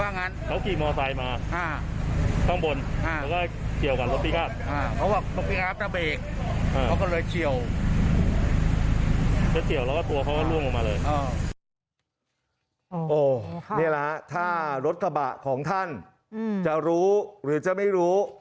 นี่แหละฮะถ้ารถกระบะของท่านจะรู้หรือจะไม่รู้